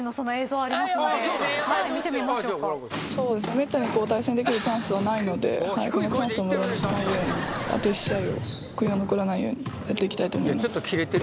めったに対戦できるチャンスはないのでそのチャンスを無駄にしないようにあと１試合を悔いの残らないようにやっていきたいと思います。